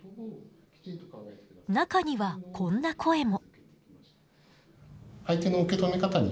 中にはこんな声も。